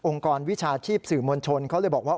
กรวิชาชีพสื่อมวลชนเขาเลยบอกว่า